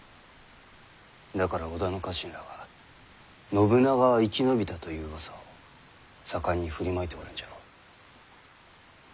だから織田の家臣らは信長は生き延びたといううわさを盛んに振りまいておるんじゃろう。